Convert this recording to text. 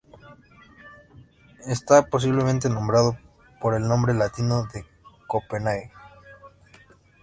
Está posiblemente nombrado por el nombre latino de Copenhague.